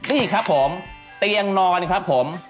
นี่ครับผมเตียงนอนครับผม